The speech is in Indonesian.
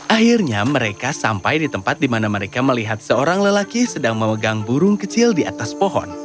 akhirnya mereka sampai di tempat di mana mereka melihat seorang lelaki sedang memegang burung kecil di atas pohon